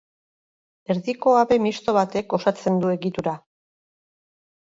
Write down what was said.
Erdiko habe misto batek osatzen du egitura.